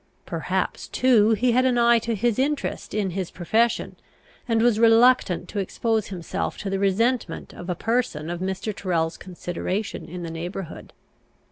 Perhaps, too, he had an eye to his interest in his profession, and was reluctant to expose himself to the resentment of a person of Mr. Tyrrel's consideration in the neighbourhood.